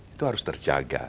itu harus terjaga